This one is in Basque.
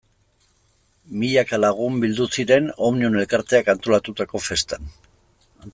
Milaka lagun bildu ziren Omnium elkarteak antolatutako festan.